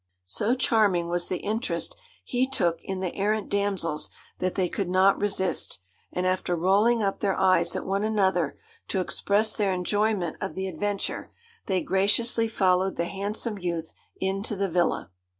So charming was the interest he took in the errant damsels that they could not resist, and after rolling up their eyes at one another to express their enjoyment of the adventure, they graciously followed the handsome youth into the villa.